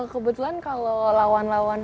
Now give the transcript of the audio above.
kebetulan kalau lawan lawan